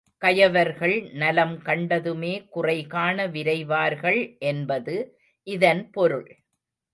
கயவர்கள் நலம் கண்டதுமே குறைகாண விரைவார்கள் என்பது இதன் பொருள்.